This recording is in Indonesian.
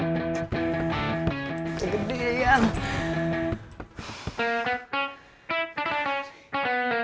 nilainya seratus tuh dek betul semua